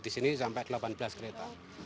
di sini sampai delapan belas kereta